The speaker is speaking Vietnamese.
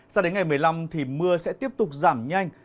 sao đến ngày một mươi năm thì mưa sẽ tiếp tục giảm nhanh